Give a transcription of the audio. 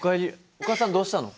お母さんどうしたの？